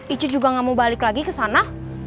itu juga gak mau balik lagi ke sana